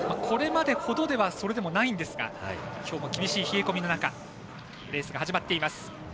これまでほどではないんですがきょうも厳しい冷え込みの中レースが始まっています。